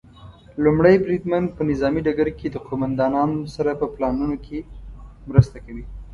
لومړی بریدمن په نظامي ډګر کې د قوماندانانو سره په پلانونو کې مرسته کوي.